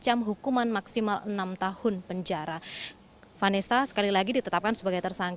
ahli bahasa ahli dari kementerian